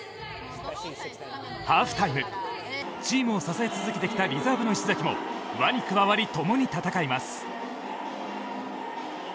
ハーフタイム、チームを支え続けてきたリザーブの石崎も輪に加わり、ともに戦います。